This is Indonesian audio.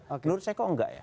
menurut saya kok enggak ya